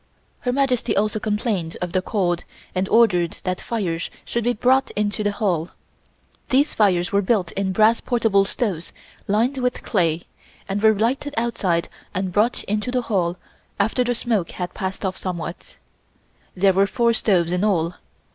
Her Majesty also complained of the cold and ordered that fires should be brought into the hall. These fires were built in brass portable stoves lined with clay, and were lighted outside and brought into the hall after the smoke had passed off somewhat. There were four stoves in all.